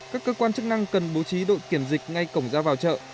các cơ quan chức năng cần bố trí đội kiểm dịch ngay cổng ra vào chợ